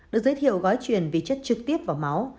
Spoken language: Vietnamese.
được giới thiệu gói truyền vì chất trực tiếp vào máu